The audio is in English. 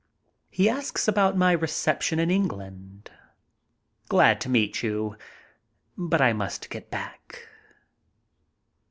He asks about my reception in England. "Glad to meet you, but I must get back."